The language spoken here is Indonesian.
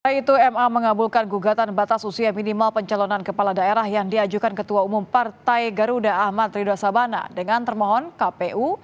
selain itu ma mengabulkan gugatan batas usia minimal pencalonan kepala daerah yang diajukan ketua umum partai garuda ahmad rido sabana dengan termohon kpu